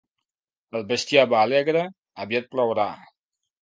El bestiar va alegre? Aviat plourà.